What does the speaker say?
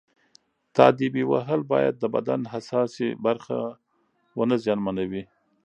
تاديبي وهل باید د بدن حساسې برخې ونه زیانمنوي.